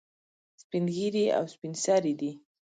سپین ږیري او سپین سرې دي.